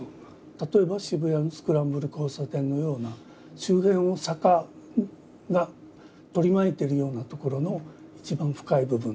例えば渋谷のスクランブル交差点のような、周辺を坂が取り巻いてるようなところの一番深い部分。